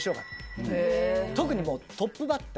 特にトップバッター。